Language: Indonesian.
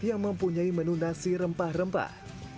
yang mempunyai menu nasi rempah rempah